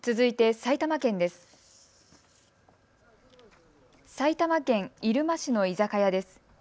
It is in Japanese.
埼玉県入間市の居酒屋です。